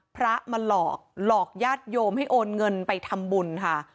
พระมาหลอกหลอกญาติโยมให้โอนเงินไปทำบุญค่ะ